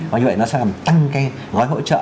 và như vậy nó sẽ làm tăng cái gói hỗ trợ